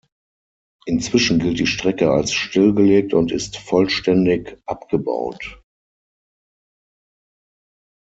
Inzwischen gilt die Strecke als stillgelegt und ist vollständig abgebaut.